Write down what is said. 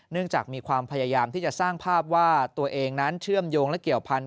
จากมีความพยายามที่จะสร้างภาพว่าตัวเองนั้นเชื่อมโยงและเกี่ยวพันธ